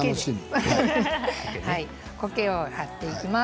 こけを張っていきます。